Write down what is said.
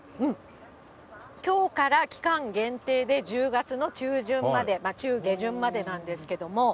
きょうから期間限定で、１０月の中旬まで、中下旬までなんですけど。